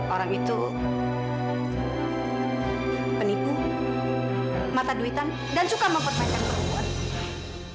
orang itu penipu mata duitan dan suka mempermainkan perempuan